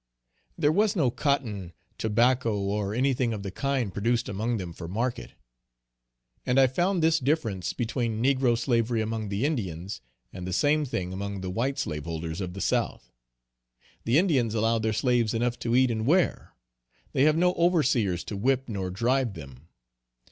There was no cotton, tobacco, or anything of the kind produced among them for market. And I found this difference between negro slavery among the Indians, and the same thing among the white slaveholders of the South. The Indians allow their slaves enough to eat and wear. They have no overseers to whip nor drive them.